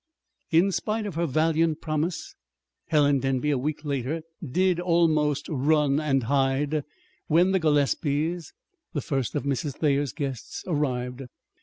In spite of her valiant promise, Helen Denby, a week later, did almost run and hide when the Gillespies, the first of Mrs. Thayer's guests, arrived.